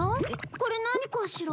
これ何かしら。